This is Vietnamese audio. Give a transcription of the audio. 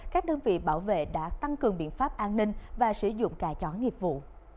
các đơn vị bảo vệ đã tăng cường biện pháp an ninh và sử dụng cài chóng nghiệp vụ